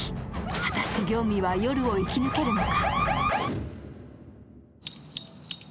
果たしてギョンミは夜を生き抜けるのか。